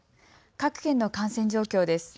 各県の感染状況です。